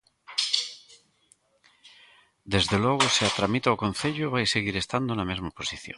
Desde logo se a tramita o concello vai seguir estando na mesma posición.